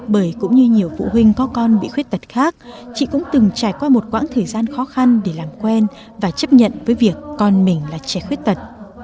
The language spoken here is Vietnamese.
bởi cũng như nhiều phụ huynh có con bị khuyết tật khác chị cũng từng trải qua một quãng thời gian khó khăn để làm quen và chấp nhận với việc con mình là trẻ khuyết tật